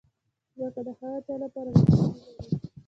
ځمکه د هغه چا لپاره موسیقي لري.